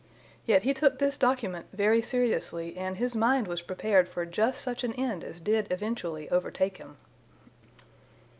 Yet he took this document very seriously, and his mind was prepared for just such an end as did eventually overtake him."